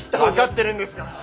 分かってるんですが！